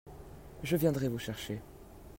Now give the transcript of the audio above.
Je viendrai vous chercher.